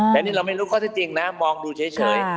แต่นี่เราไม่รู้ข้อที่จริงนะมองดูเฉย